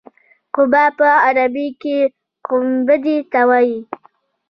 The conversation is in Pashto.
قبه په عربي کې ګنبدې ته وایي.